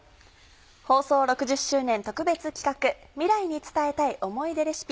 放送６０周年特別企画「未来に伝えたい思い出レシピ」。